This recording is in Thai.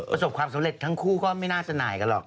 ประสบความสำเร็จทั้งคู่ก็ไม่น่าสน่ายกันหรอก